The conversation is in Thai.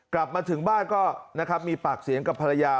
กลับมาถึงบ้านก็นะครับมีปากเสียงกับภรรยา